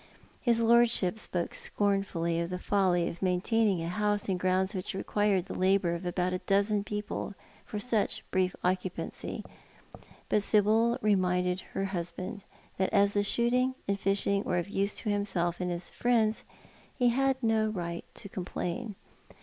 His Lordship spoke scornfully of the folly of maintaining a house and grounds which required the labour of about a dozen people, for such brief occupancy ; but Sibyl reminded her liusband tliat as the shooting and fishing were of use to himself and his friends he had no right to complain.